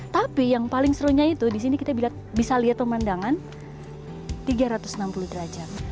tapi yang paling serunya itu di sini kita bisa lihat pemandangan tiga ratus enam puluh derajat